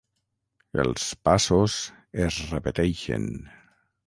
Els passos es repeteixen